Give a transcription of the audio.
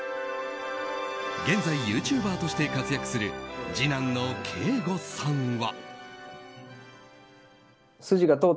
現在、ユーチューバーとして活躍する次男の圭悟さんは。